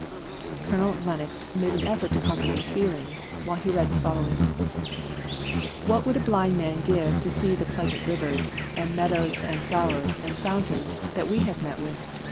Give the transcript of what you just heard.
Colonel Lennox made an effort to conquer his feelings, while he read as follows: "What would a blind man give to see the pleasant rivers, and meadows, and flowers, and fountains, that we have met with!